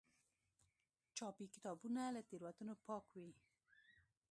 چاپي کتابونه له تېروتنو پاک وي.